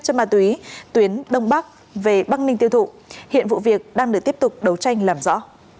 chất ma túy tuyến đông bắc về bắc ninh tiêu thụ hiện vụ việc đang được tiếp tục đấu tranh làm rõ